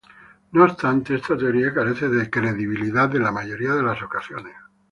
No obstante, esta teoría carece de credibilidad en la mayoría de las ocasiones.